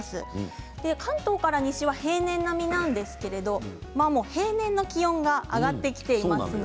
関東から西は平年並みなんですが平年の気温が上がってきています。